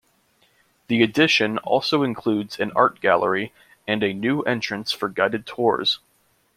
The addition also includes an art gallery and a new entrance for guided tours.